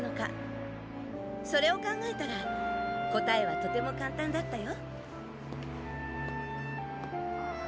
それを考えたら答えはとても簡単だったよ。